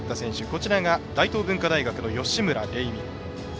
こちらが大東文化大学の吉村詠美。